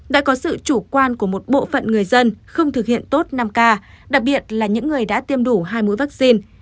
đã có sự chủ quan của một bộ phận người dân không thực hiện tốt năm k đặc biệt là những người đã tiêm đủ hai mũi vaccine